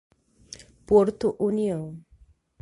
Porto União